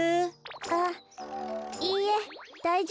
あっいいえだいじょうぶです。